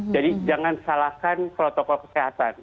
jadi jangan salahkan protokol kesehatan